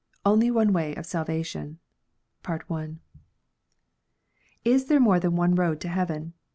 II. ONLY ONE WAY OF SALVATION. Is there more than one road to heaven